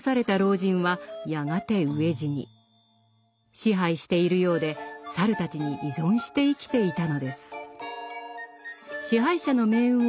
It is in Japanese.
支配しているようで猿たちに依存して生きていたのです。